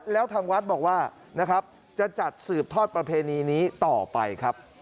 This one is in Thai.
แล้วทางวัดบอกว่านะครับจะจัดสืบทอดประเพณีนี้ต่อไปครับ